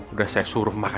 udah saya suruh mereka